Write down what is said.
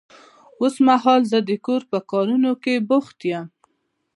اوس مهال زه د کور په کارونه کې بوخت يم.